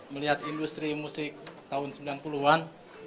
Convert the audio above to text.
melihat industri musik tahun sembilan puluh an